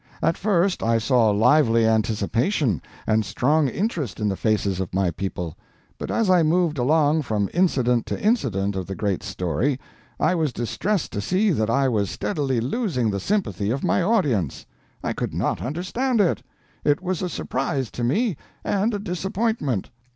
"At first I saw lively anticipation and strong interest in the faces of my people, but as I moved along from incident to incident of the great story, I was distressed to see that I was steadily losing the sympathy of my audience. I could not understand it. It was a surprise to me, and a disappointment.